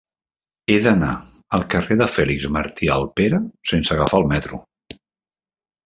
He d'anar al carrer de Fèlix Martí Alpera sense agafar el metro.